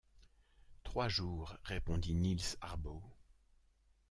Trois jours, répondit Niels Harboe.